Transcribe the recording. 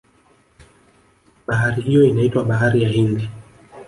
bahari hiyo inaitwa bahari ya hindi